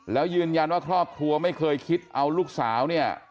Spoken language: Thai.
แล้วยืนยันว่าครอบครัวไม่เคยคิดเอาลูกสาวเนี่ย